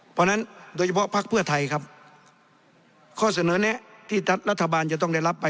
เพราะฉะนั้นโดยเฉพาะภักดิ์เพื่อไทยครับข้อเสนอแนะที่รัฐบาลจะต้องได้รับไป